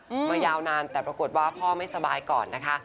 มายาวนานแต่ปรากฏว่าพ่อไม่สบายก่อนนะคะ